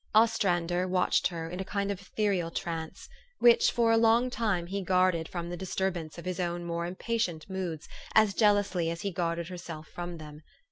Ostrander watched her in a kind of ethereal trance, which, for a long time, he guarded from the disturb ance of his own more impatient moods as jealously as he guarded herself from them.